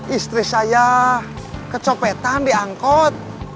istri saya kecopetan di angkut